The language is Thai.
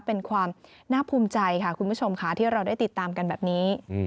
เป็นความน่าภูมิใจค่ะคุณผู้ชมค่ะที่เราได้ติดตามกันแบบนี้